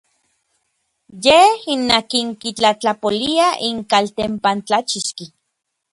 Yej n akin kitlatlapolia n kaltempantlachixki.